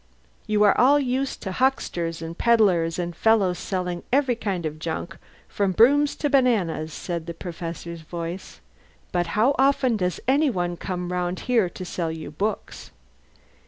"You are all used to hucksters and pedlars and fellows selling every kind of junk from brooms to bananas," said the Professor's voice. "But how often does any one come round here to sell you books?